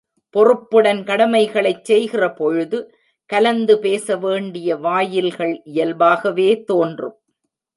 பொறுப்புடன் கடமைகளைச் செய்கிற பொழுது கலந்து பேச வேண்டிய வாயில்கள் இயல்பாகவே தோன்றும்.